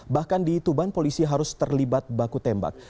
bahkan di tuban polisi harus terlibat baku tembak